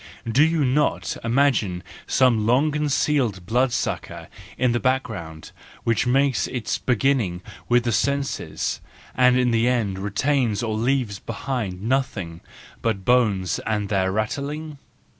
Do you not imagine some long concealed blood sucker in the background, which makes its beginning with the senses, and in the end retains or leaves behind nothing but bones and their rattling?